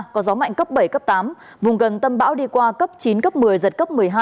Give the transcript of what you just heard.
có gió mạnh cấp bảy cấp tám vùng gần tâm bão đi qua cấp chín cấp một mươi giật cấp một mươi hai